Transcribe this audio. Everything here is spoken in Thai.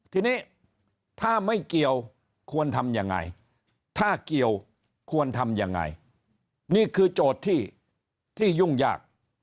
ทีนี้ถ้าไม่เกี่ยวควรทำยังไงถ้าเกี่ยวควรทำยังไงนี่คือโจทย์ที่ยุ่งยาก